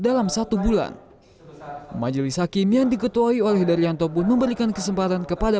dalam satu bulan majelis hakim yang diketuai oleh daryanto pun memberikan kesempatan kepada